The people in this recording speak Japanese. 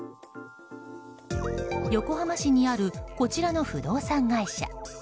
横浜市にあるこちらの不動産会社。